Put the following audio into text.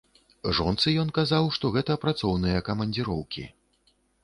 Жонцы ён казаў, што гэта працоўныя камандзіроўкі.